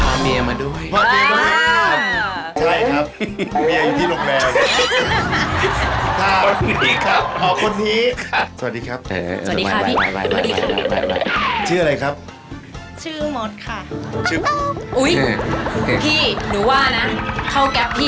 คิดไม่เบียบจริง่ะ